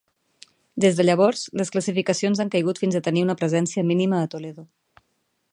Des de llavors, les classificacions han caigut fins a tenir una presència mínima a Toledo.